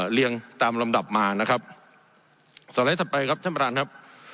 เรียงตามลำดับมานะครับสไลด์ถัดไปครับท่านประธานครับ